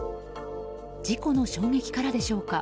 事故の衝撃からでしょうか